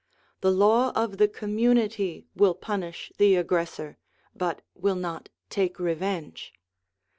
The law of the community will punish the aggressor, but will not take revenge.